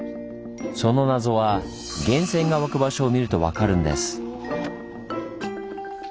その謎は源泉が湧く場所を見ると分かるんです。